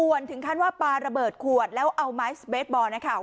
ส่วนถึงขั้นว่าปลาระเบิดขวดแล้วเอาไม้สเบสบอลนะคะ